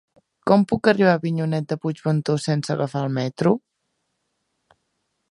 Com puc arribar a Avinyonet de Puigventós sense agafar el metro?